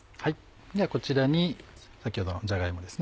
ではこちらに先ほどのじゃが芋ですね。